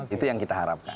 itu yang kita harapkan